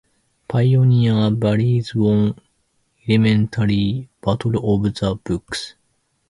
Pioneer Valley won elementary Battle of the Books.